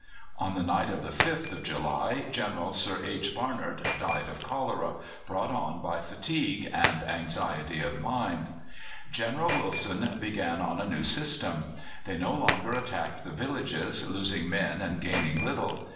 On the night of the 5th of July General Sir H. Barnard died of cholera, brought on by fatigue and anxiety of mind. General Wilson began on a new system. They no longer attacked the villages, losing men and gaining little.